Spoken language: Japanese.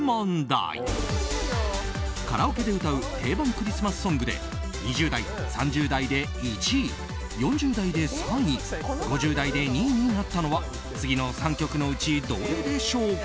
クリスマスソングで２０代、３０代で１位４０代で３位５０代で２位になったのは次の３曲のうちどれでしょうか？